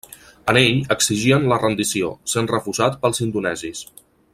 En ell exigien la rendició, sent refusat pels indonesis.